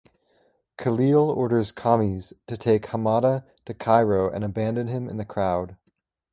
Khalil orders Khamis to take Hamada to Cairo and abandon him in the crowd.